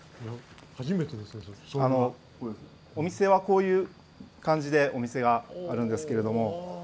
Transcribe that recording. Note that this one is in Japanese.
お店はこういう感じであるんですけど。